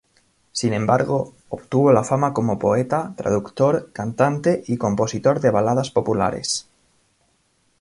Sin embargo, obtuvo la fama como poeta, traductor, cantante y compositor de baladas populares.